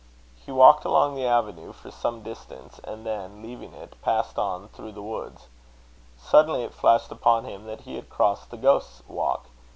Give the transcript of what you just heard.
He walked along the avenue for some distance; and then, leaving it, passed on through the woods. Suddenly it flashed upon him that he had crossed the Ghost's Walk.